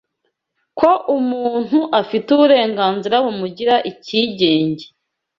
ko umuntu afite uburenganzira bumugira icyigenge